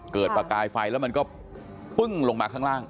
ประกายไฟแล้วมันก็ปึ้งลงมาข้างล่าง